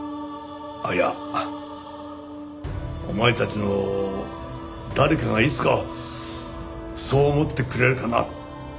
あっいやお前たちの誰かがいつかそう思ってくれるかな